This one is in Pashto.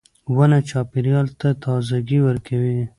• ونه چاپېریال ته تازهګۍ ورکوي.